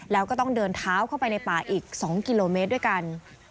แล้วก็ต้องเดินเท้าเข้าไปในป่าอีก๒กิโลเมตรด้วยกัน